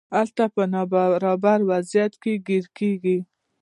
هلته په نابرابر وضعیت کې ګیر کیږي.